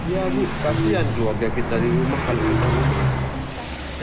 ya bu kasihan juga kita di rumah kali ini